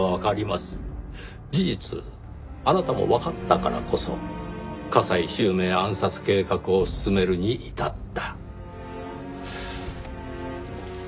事実あなたもわかったからこそ加西周明暗殺計画を進めるに至った。